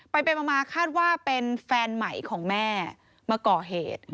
ไปมาคาดว่าเป็นแฟนใหม่ของแม่มาก่อเหตุ